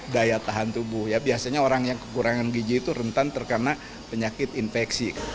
daya tahan tubuh ya biasanya orang yang kekurangan gizi itu rentan terkena penyakit infeksi